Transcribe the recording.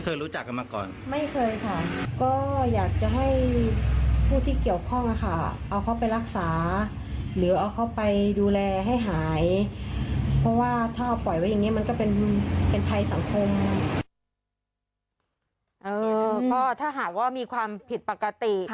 ถ้าหากว่ามีความผิดปกติ